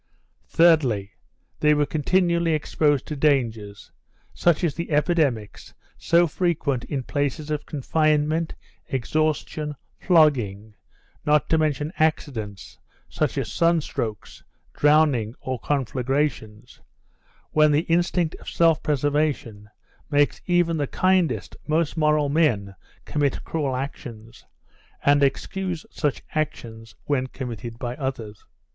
Thirdly, they were continually exposed to dangers, such as the epidemics so frequent in places of confinement, exhaustion, flogging, not to mention accidents, such as sunstrokes, drowning or conflagrations, when the instinct of self preservation makes even the kindest, most moral men commit cruel actions, and excuse such actions when committed by others.